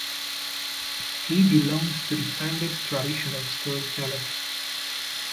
He belongs to the timeless tradition of story tellers.